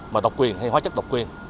mà độc quyền hay hóa chất độc quyền